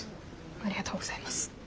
ありがとうございます。